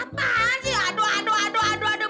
apaan sih aduh aduh aduh aduh aduh